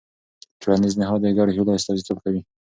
ټولنیز نهاد د ګډو هيلو استازیتوب کوي.